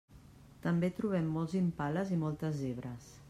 També trobem molts impales i moltes zebres.